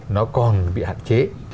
nó còn bị hạn chế